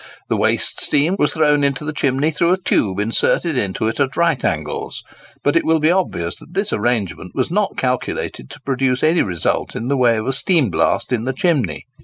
The waste steam was thrown into the chimney through a tube inserted into it at right angles; but it will be obvious that this arrangement was not calculated to produce any result in the way of a steam blast in the chimney.